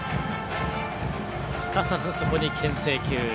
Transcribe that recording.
すかさず、そこにけん制球。